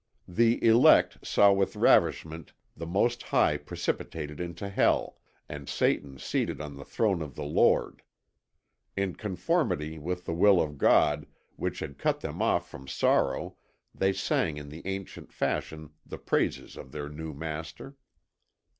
The elect saw with ravishment the Most High precipitated into Hell, and Satan seated on the throne of the Lord. In conformity with the will of God which had cut them off from sorrow they sang in the ancient fashion the praises of their new Master.